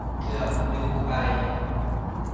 เกือบลืมไป